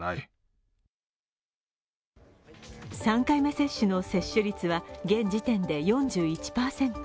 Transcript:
３回目接種の接種率は、現時点で４１％。